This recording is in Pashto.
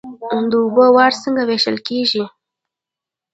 د اوبو وار څنګه ویشل کیږي؟